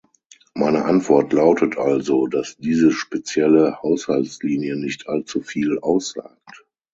Meine Antwort lautet also, dass diese spezielle Haushaltslinie nicht allzu viel aussagt.